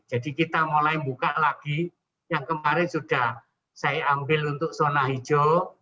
jadi kita mulai buka lagi yang kemarin sudah saya ambil untuk zona hijau